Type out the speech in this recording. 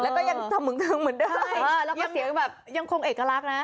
แล้วก็ยังทำมึงทึงเหมือนได้แล้วก็เสียงแบบยังคงเอกลักษณ์นะ